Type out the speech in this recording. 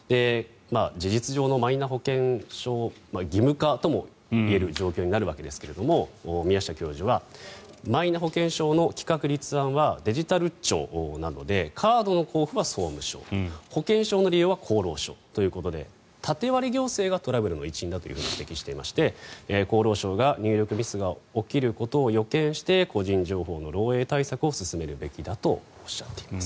事実上のマイナ保険証義務化ともいえる状況になるわけですが宮下教授は、マイナ保険証の企画立案はデジタル庁なのでカードの交付は総務省保険証の利用は厚労省ということで縦割り行政がトラブルの一因だと指摘していまして厚労省が入力ミスが起きることを予見して個人情報の漏えい対策を進めるべきだとおっしゃっています。